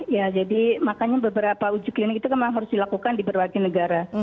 ya jadi makanya beberapa uji klinik itu memang harus dilakukan di berbagai negara